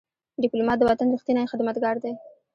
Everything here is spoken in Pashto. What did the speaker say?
ډيپلومات د وطن ریښتینی خدمتګار دی.